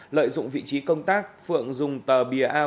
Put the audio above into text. lợi dụng vị trí công tác phượng dùng tờ bìa a bốn